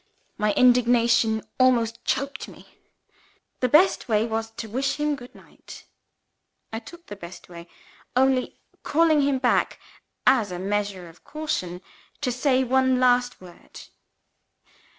My indignation almost choked me. The best way was to wish him good night. I took the best way only calling him back (as a measure of caution) to say one last word.